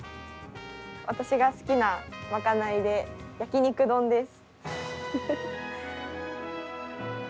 私が好きな賄いで、焼き肉丼です。